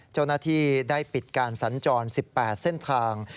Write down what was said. เจ้าหน้าที่ได้ปิดการสัญจร๑๘เส้นทาง